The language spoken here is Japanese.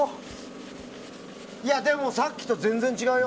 でもさっきと全然違うよ。